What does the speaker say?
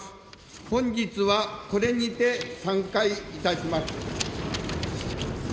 本日は、これにて散会いたします。